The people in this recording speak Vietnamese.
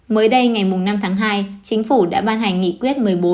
mới đây ngày năm tháng hai chính phủ đã ban hành nghị quyết một mươi bốn